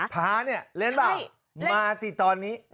ท้าเนี่ยเล่นเปล่ามาสิตอนนี้